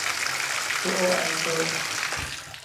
شعاع انداز